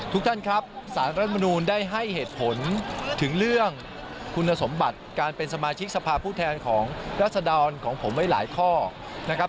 ทุกท่านครับสารรัฐมนูลได้ให้เหตุผลถึงเรื่องคุณสมบัติการเป็นสมาชิกสภาพผู้แทนของรัศดรของผมไว้หลายข้อนะครับ